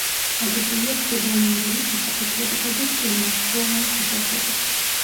აგებულია ქვედაიურული თიხაფიქლებითა და წვრილმარცვლოვანი ქვიშაქვებით.